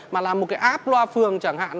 mà là một cái app loa phường chẳng hạn